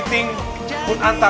jadi tak salah